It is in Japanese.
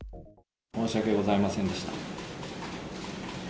申し訳ございませんでした。